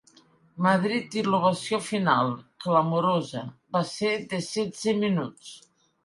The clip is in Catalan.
Madrid i l'ovació final, clamorosa, va ser de setze minuts.